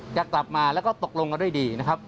จะกลับมาแล้วก็ตกลงกันด้วยดีนะครับ